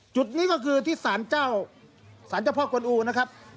จุดนี้ก็คือที่สารเจ้าสารเจ้าพ่อกวนอูนะครับ